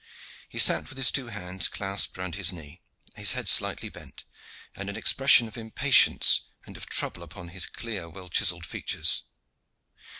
He sat with his two hands clasped round his knee, his head slightly bent, and an expression of impatience and of trouble upon his clear, well chiselled features.